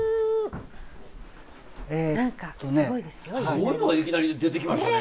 すごいのがいきなり出てきましたね。